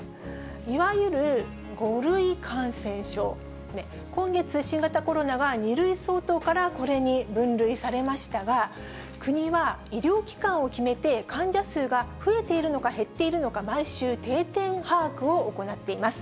いわゆる５類感染症、今月、新型コロナが２類相当からこれに分類されましたが、国は医療機関を決めて患者数が増えているのか、減っているのか、毎週、定点把握を行っています。